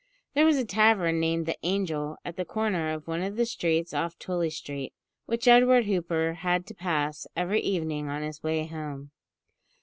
There was a tavern named the "Angel" at the corner of one of the streets off Tooley Street, which Edward Hooper had to pass every evening on his way home.